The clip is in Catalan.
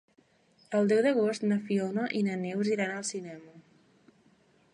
El deu d'agost na Fiona i na Neus iran al cinema.